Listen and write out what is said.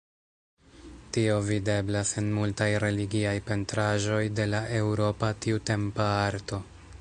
Tio videblas en multaj religiaj pentraĵoj de la eŭropa tiutempa arto.